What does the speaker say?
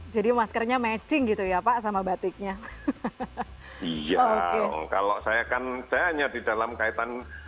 jadi maskernya matching gitu ya pak sama batiknya iya kalau saya kan saya hanya di dalam kaitan